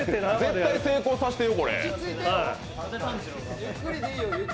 絶対成功させてよ。